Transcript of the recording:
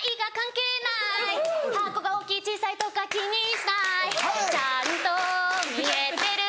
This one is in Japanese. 会場が大きい小さいとか気にしないはい！ちゃんと見えてる